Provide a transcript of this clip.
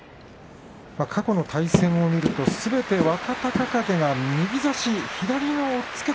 過去の対戦を見るとすべて若隆景が右差し左の押っつけ